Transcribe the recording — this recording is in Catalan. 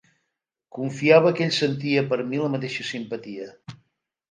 Confiava que ell sentia per mi la mateixa simpatia.